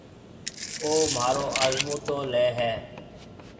او مھارو آزمُوتو ليَ ھيََََ۔